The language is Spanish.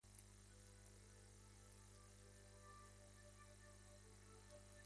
La medalla está expuesta en el Museo Olímpico de Barcelona.